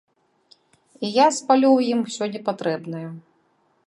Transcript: І я спалю ў ім усё непатрэбнае.